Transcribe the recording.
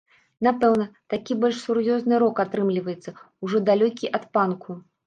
Напэўна, такі больш сур'ёзны рок атрымліваецца, ужо далёкі ад панку.